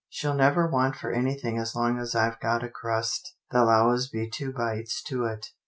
She'll never want for anything as long as I've got a crust. There'll always be two bites to it.